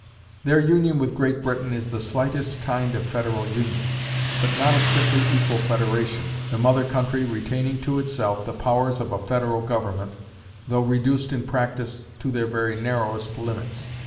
Their union with Great Britain is the slightest kind of federal union; but not a strictly equal federation, the mother country retaining to itself the powers of a federal government, though reduced in practice to their very narrowest limits.